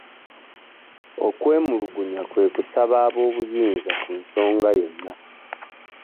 Okwemulugunya kwe kusaba ab'obuyinza ku nsonga yonna.